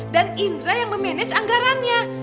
dan indra yang memanage anggarannya